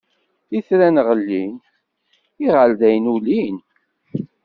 Itran ɣlin, iɣerdayen ulin.